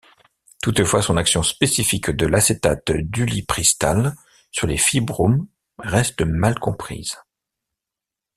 Toutefois, son action spécifique de l'acétate d'ulipristal sur les fibromes reste mal comprise.